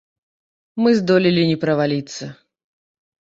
Мы здолелі не праваліцца.